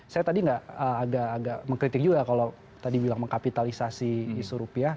saya tadi nggak agak mengkritik juga kalau tadi bilang mengkapitalisasi isu rupiah